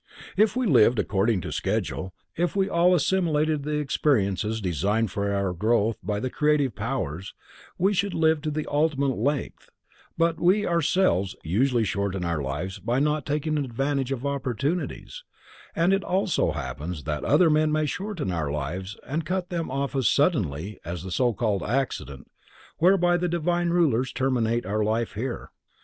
If we lived according to schedule, if we all assimilated the experiences designed for our growth by the Creative Powers, we should live to the ultimate length, but we ourselves usually shorten our lives by not taking advantage of opportunities, and it also happens that other men may shorten our lives and cut them off as suddenly as the so called accident whereby the divine rulers terminate our life here.